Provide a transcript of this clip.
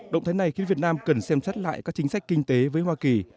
động thái này khiến việt nam cần xem xét lại các chính sách kinh tế với hoa kỳ